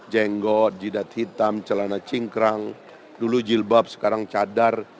jenggot jidat hitam celana cingkrang dulu jilbab sekarang cadar